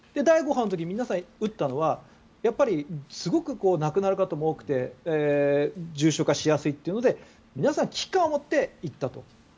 第５波の時に皆さん打ったのはやっぱりすごく亡くなる方も多くて重症化しやすいというので皆さん危機感を持って行ったと。